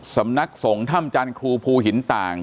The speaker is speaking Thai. สำนักสงฆ์ถ้ำจันทร์ครูภูหินต่าง